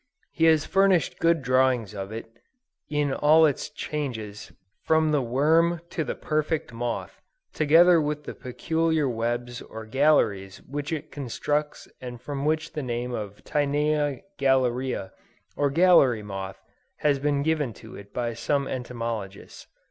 He has furnished good drawings of it, in all its changes, from the worm to the perfect moth, together with the peculiar webs or galleries which it constructs and from which the name of Tinea Galleria or gallery moth, has been given to it by some entomologists.